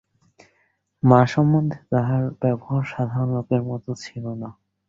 মা-সম্বন্ধে তাহার ব্যবহার সাধারণ লোকের মতো ছিল না।